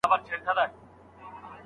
هغې مشوره وکړه، چي کومه مرکه غوره کړم؟.